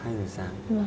hai giờ sáng